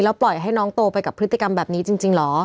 ปล่อยให้น้องโตไปกับพฤติกรรมแบบนี้จริงเหรอ